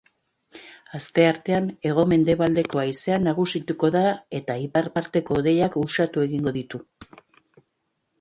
Asteartean hego-mendebaldeko haizea nagusituko da eta ipar parteko hodeiak uxatu egingo ditu.